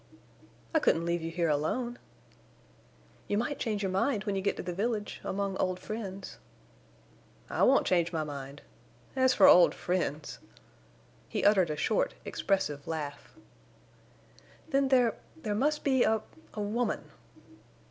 "I couldn't leave you here alone." "You might change your mind when you get to the village—among old friends—" "I won't change my mind. As for old friends—" He uttered a short, expressive laugh. "Then—there—there must be a—a woman!"